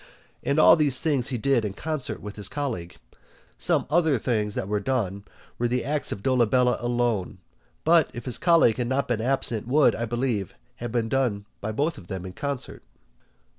And all these things he did in concert with his colleague. Some other things that were done were the acts of Dolabella alone; but, if his colleague had not been absent, would, I believe, have been done by both of them in concert.